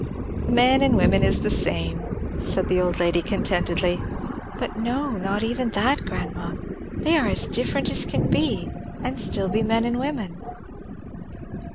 "The men and women is the same," said the old lady contentedly. "But no, not even that, grandma. They are as different as they can be, and still be men and women."